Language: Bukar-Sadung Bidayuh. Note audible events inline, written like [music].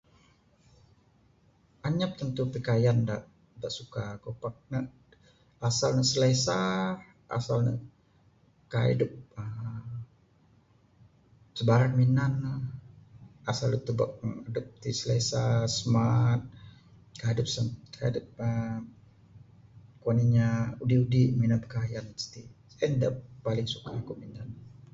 Anyap tantu pikayan da suka ku pak ne asal ne slesa asal kaik dep aaa sibarang minan ne asal dep tubek [unintelligible] smart, kaik dep kaik dep aaa udik udik minan pakayan siti en da paling suka ku minan.